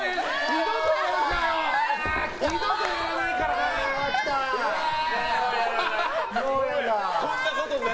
二度とやらないからな！